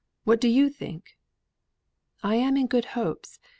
What do you think?" "I am in good hopes.